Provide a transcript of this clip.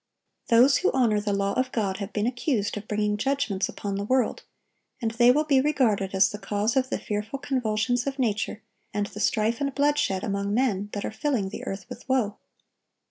Those who honor the law of God have been accused of bringing judgments upon the world, and they will be regarded as the cause of the fearful convulsions of nature and the strife and bloodshed among men that are filling the earth with woe.